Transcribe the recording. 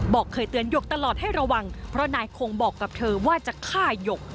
เคยเตือนหยกตลอดให้ระวังเพราะนายคงบอกกับเธอว่าจะฆ่าหยก